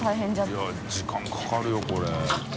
いや時間かかるよこれ。